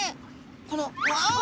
このわお。